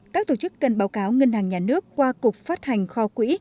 các tổ chức cần báo cáo ngân hàng nhà nước qua cục phát hành kho quỹ